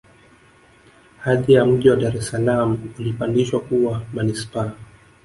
hadhi ya mji wa dar es salaam ulipandishwa kuwa manispaa